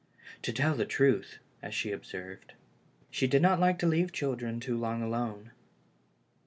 " To tell the truth," as she observed, "she did not like to leave children too long alone."